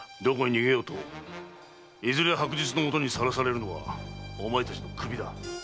どこに逃げようといずれ白日の下にさらされるのはお前たちの首だ。